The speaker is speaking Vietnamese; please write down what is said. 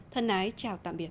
thân ái chào tạm biệt